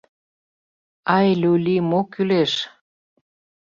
Ай, люли, мо кӱлеш?